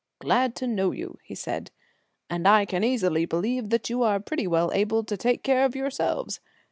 "Glad to know you," he said, "and I can easily believe that you are pretty well able to take care of yourselves.